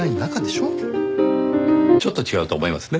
ちょっと違うと思いますね。